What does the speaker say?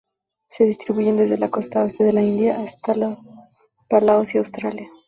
Se distribuyen desde la costa oeste de la India hasta las Palaos y Australia.